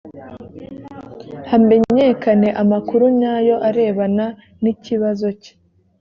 hamenyekane amakuru nyayo arebana n ikibazo cye